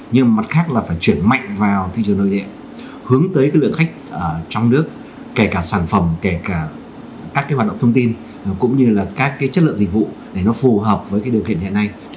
nhưng một mặt khác là phải chuyển mạnh vào thị trường nội địa hướng tới lượng khách trong nước kể cả sản phẩm kể cả các hoạt động thông tin cũng như là các chất lượng dịch vụ để nó phù hợp với điều kiện hiện nay